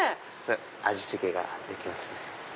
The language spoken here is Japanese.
味付けができますね。